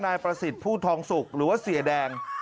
นายประสิทธิ์ผู้ทองสุกหรือว่าเสียแดง